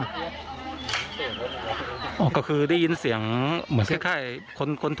เราก็ไม่เป็นตัวแหลง